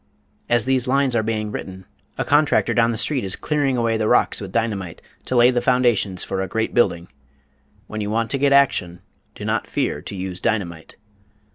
As these lines are being written a contractor down the street is clearing away the rocks with dynamite to lay the foundations for a great building. When you want to get action, do not fear to use dynamite.